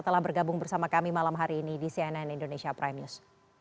telah bergabung bersama kami malam hari ini di cnn indonesia prime news